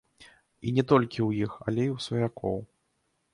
І не толькі ў іх, але і ў сваякоў.